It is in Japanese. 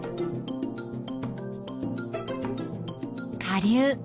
下流。